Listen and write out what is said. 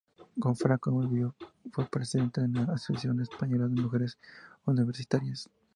Con Franco aún vivo, fue presidenta de la Asociación Española de Mujeres Universitarias.